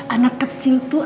anak kecil tuh